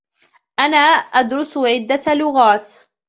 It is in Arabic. أنا أدرس عدّة لغات.